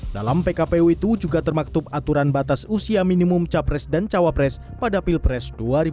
dalam pkpu itu juga termaktub aturan batas usia minimum capres dan cawapres pada pilpres dua ribu dua puluh